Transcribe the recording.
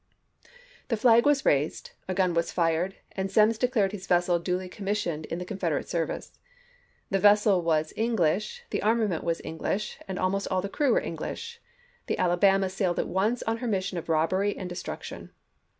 The flag was raised, a gun was fired, and Semmes declared his vessel duly commissioned in the Confederate service. The vessel was English, the armament was English, almost aU the crew were English. The Alabama sailed at once on her mission of robbery and de struction.